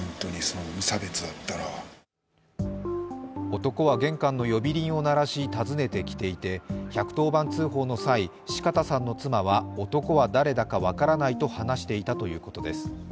男は玄関の呼び鈴を鳴らし訪ねてきていて、１１０番通報の際、四方さんの妻は男は誰だか分からないと話していたということです。